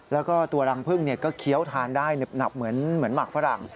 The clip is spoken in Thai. แล้วก็ตัวรังพึ่งก็เคี้ยวทานได้หนึบหนับเหมือนหมากฝรั่ง